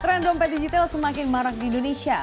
tren dompet digital semakin marak di indonesia